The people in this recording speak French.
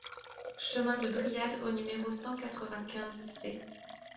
Chemin de Brial au numéro cent quatre-vingt-quinze C